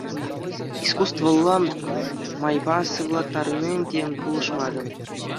Искусствӑллӑ майпа сывлаттарни те пулӑшмарӗ.